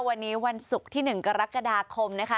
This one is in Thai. วันนี้วันศุกร์ที่๑กรกฎาคมนะคะ